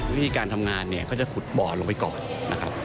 วิธีการทำงานเนี่ยเขาจะขุดบ่อลงไปก่อนนะครับ